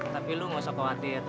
tapi lu gak usah khawatir